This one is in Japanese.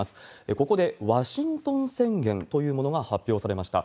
ここでワシントン宣言というものが発表されました。